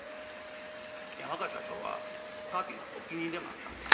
山川社長はパーティーの発起人でもあったんです。